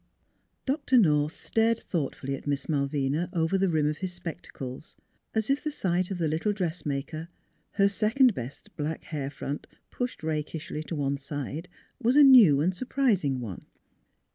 Doctor North stared thoughtfully at Miss Mal vina over the rim of his spectacles, as if the sight of the little dressmaker, her second best black hair front pushed rakishly to one side, was a new and surprising one.